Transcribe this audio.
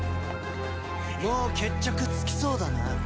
もう決着つきそうだな。